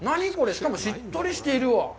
しかも、しっとりしてるわ。